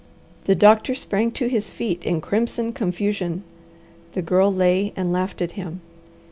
The doctor sprang to his feet in crimson confusion. The Girl lay and laughed at him.